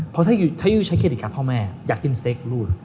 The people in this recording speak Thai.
เพราะถ้ายุ้ยใช้เครดิตครับพ่อแม่อยากกินสเต็กรูด